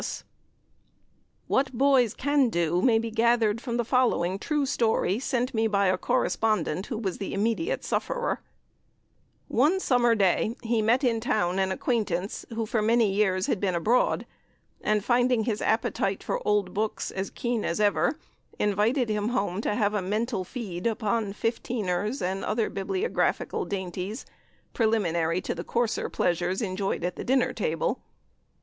Sat. IV. What boys CAN do may be gathered from the following true story, sent me by a correspondent who was the immediate sufferer: One summer day he met in town an acquaintance who for many years had been abroad; and finding his appetite for old books as keen as ever, invited him home to have a mental feed upon "fifteeners" and other bibliographical dainties, preliminary to the coarser pleasures enjoyed at the dinner table.